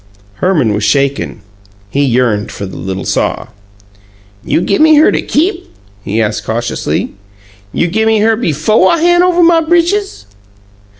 Herman was shaken; he yearned for the little saw. "You gimme her to keep?" he asked cautiously. "You gimme her befo' I han' over my britches?"